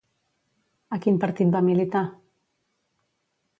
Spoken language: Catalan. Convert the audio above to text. A quin partit va militar?